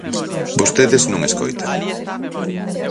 Vostedes non escoitan.